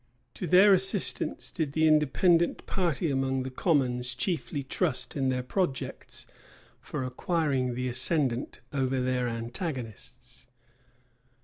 To their assistance did the Independent party among the commons chiefly trust in their projects for acquiring the ascendant over their antagonists.